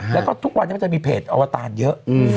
แล้วก็ทุกวันนี้มันจะมีเพจอวตารเยอะ